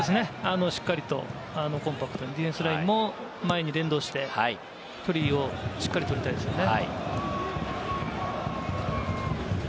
しっかりとコンパクトなディフェンスラインを前に連動して、フリーをしっかり取りたいですね。